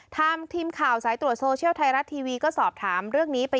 ทีมข่าวสายตรวจโซเชียลไทยรัฐทีวีก็สอบถามเรื่องนี้ไป